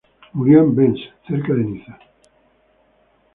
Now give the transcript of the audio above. Murió en Vence, cerca de Niza.